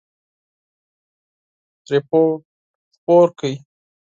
رپوټ خپور کړ.